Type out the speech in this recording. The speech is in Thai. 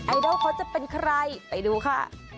ดอลเขาจะเป็นใครไปดูค่ะ